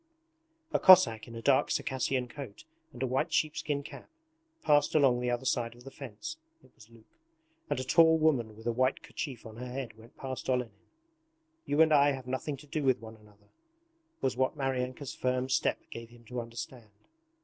A Cossack in a dark Circassian coat and a white sheepskin cap passed along the other side of the fence (it was Luke), and a tall woman with a white kerchief on her head went past Olenin. 'You and I have nothing to do with one another' was what Maryanka's firm step gave him to understand.